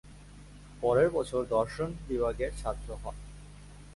পরের বছর দর্শন বিভাগের ছাত্র হন।